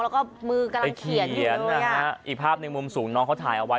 แล้วก็มือกำลังเขียนนะฮะอีกภาพในมุมสูงน้องเขาถ่ายเอาไว้